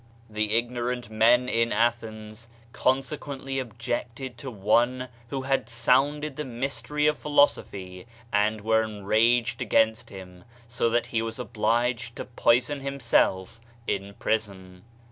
The ignorant men in Athens consequently objected to one who had sounded the mystery of philosophy and were enraged against Digitized by Google OF CIVILIZATION him; 90 that he was obliged to poison himself in prison.